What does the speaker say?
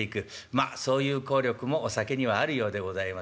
まあそういう効力もお酒にはあるようでございますが。